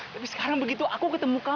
sambil kurang bekerja ya